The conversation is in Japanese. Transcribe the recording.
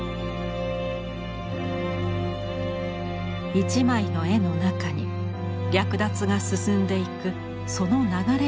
一枚の絵の中に掠奪が進んでいくその流れを描く。